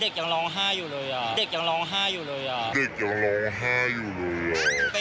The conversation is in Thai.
เด็กยังร้องห้าอยู่เลยอ่ะ